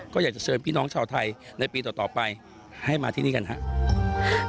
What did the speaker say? ก็อยากจะเชิญพี่น้องชาวไทยในปีต่อไปให้มาที่นี่กันครับ